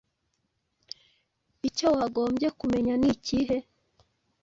icyo wagombye kumenya nikihe